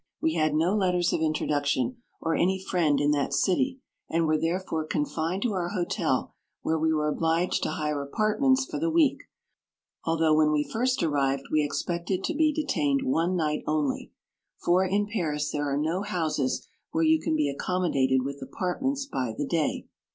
We had no letters of introduction, or any friend in that city, and were therefore confined to our hotel, where we were obliged to hire apartments for the week, although when we first arrived we expected to be detained one night only ; for in Paris there are no houses where you can be accommodated with apartments by the day.